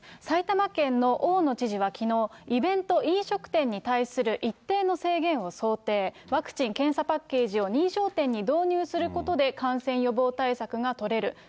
埼玉県の大野知事はきのう、イベント、飲食店に対する一定の制限を想定、ワクチン・検査パッケージを認証店に導入することで感染予防対策が取れる。